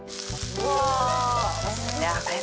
うわ。